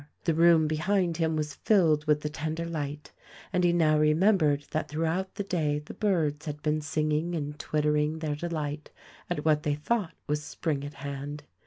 The room behind him was filled with the tender light, and he now remembered that throughout the day the birds had been singing and twittering their delight at what they thought was spring at hand.